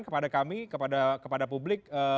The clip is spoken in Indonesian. kepada kami kepada publik